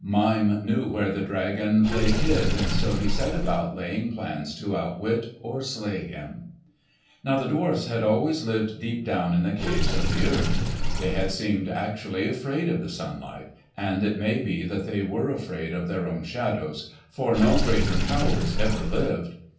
Mime knew where the dragon lay hid, so he set about laying plans to outwit or slay him. Now the dwarfs had always lived deep down in the caves of the earth. They had seemed actually afraid of the sunlight, and it may be that they were afraid of their own shadows, for no greater cowards ever lived.